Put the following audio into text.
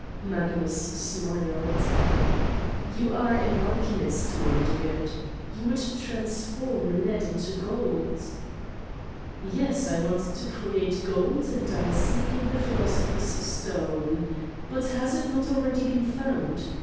Magnus smiled: "You are an alchemist, Wondergood: you would transform lead into gold!" "Yes, I want to create gold and I seek the 25 Satan's Diary philosopher's stone. But has it not already beer found!